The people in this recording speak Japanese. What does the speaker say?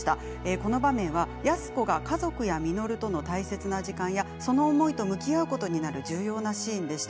この場面は安子が家族や稔との大切な時間やその思いと向き合うことになる重要なシーンでした。